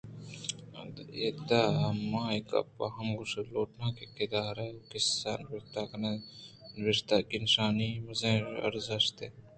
ادا من اے گپ ءَ ہم گوٛشگ لوٹاں کہ گِدار ءُقصّہ نبشتہ کنگ ءَ نبشتہی نشانانی (punctuations) مزنیں ارزشتےاست